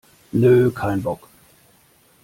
Nö, kein Bock!